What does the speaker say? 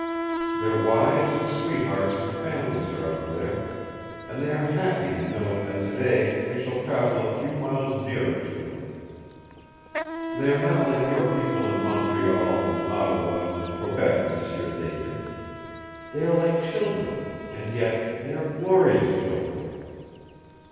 Their wives and sweethearts and families are up there, and they are happy in knowing that today we shall travel a few miles nearer to them. They are not like your people in Montreal and Ottawa and Quebec, M'sieu David. They are like children. And yet they are glorious children!"